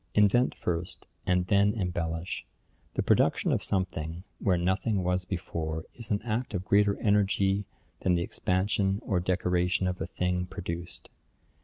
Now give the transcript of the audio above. Invent first, and then embellish. The production of something, where nothing was before, is an act of greater energy than the expansion or decoration of the thing produced.